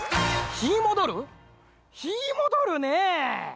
ひーもどるねぇ。